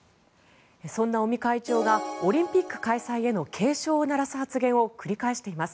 そんな尾身会長がオリンピック開催への警鐘を鳴らす発言を繰り返しています。